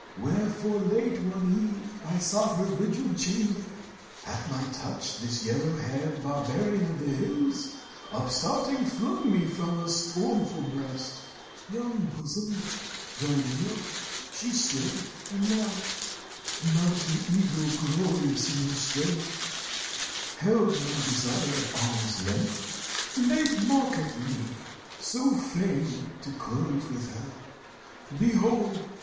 Wherefore, late one eve, I sought her vigiled chamber. At my touch, This yellow haired barbarian of the hills, Upstarting, flung me from her scornful breast. 33 THE FOREST MOTHER Young bosomed, virginal, she stood and laughed, (A mountain eagle glorious in her strength), Held my desire at arm's length, and made mock At me, so fain to close with her. Behold!